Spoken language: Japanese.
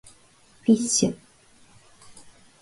fish